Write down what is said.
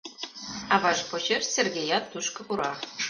Аваж почеш Сергеят тушко пура.